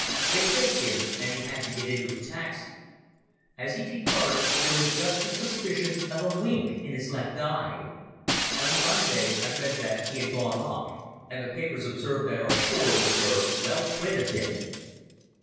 They hissed him and he had to get into a taxi. As he departed there was just the suspicion of a wink in his left eye. On Monday I read that he had gone off, and the papers observed that our shores were well quit of him.